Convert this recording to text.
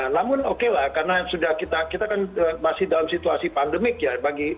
namun oke lah karena kita kan masih dalam situasi pandemik ya